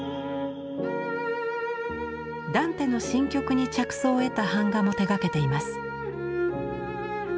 ダンテの「神曲」に着想を得た版画も手がけています。